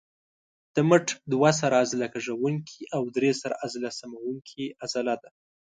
د مټ دوه سره عضله کږوونکې او درې سره عضله سموونکې عضله ده.